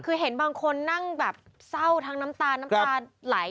คือเห็นบางคนนั่งแบบเศร้าทั้งน้ำตาลน้ำตาไหล